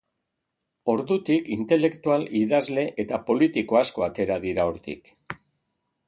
Ordutik intelektual, idazle eta politiko asko atera dira hortik.